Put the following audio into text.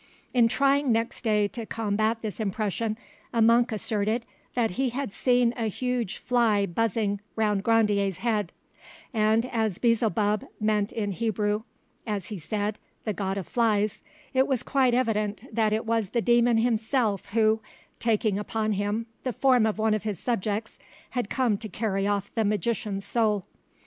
In trying next day to combat this impression, a monk asserted that he had seen a huge fly buzzing round Grandier's head, and as Beelzebub meant in Hebrew, as he said, the god of flies, it was quite evident that it was that demon himself who, taking upon him the form of one of his subjects, had come to carry off the magician's soul.